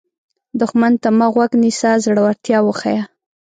دښمن ته مه غوږ نیسه، زړورتیا وښیه